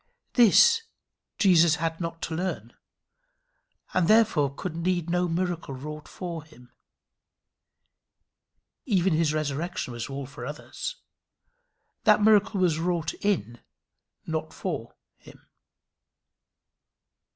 This Jesus had not to learn, and therefore could need no miracle wrought for him. Even his resurrection was all for others. That miracle was wrought in, not for him.